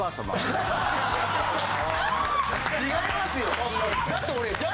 違いますよ。